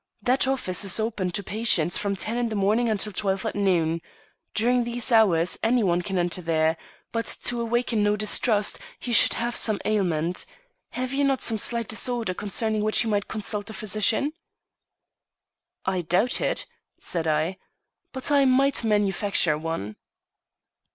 That office is open to patients from ten in the morning until twelve at noon. During these hours any one can enter there; but to awaken no distrust, he should have some ailment. Have you not some slight disorder concerning which you might consult a physician?" "I doubt it," said I; "but I might manufacture one."